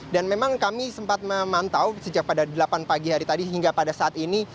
dan memang kami sempat memantau sejak pada delapan pagi hari tadi hingga pada saat ini